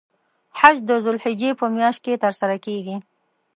حج د ذوالحجې په میاشت کې تر سره کیږی.